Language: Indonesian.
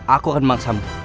aku akan memaksamu